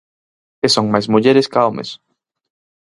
E son máis mulleres ca homes.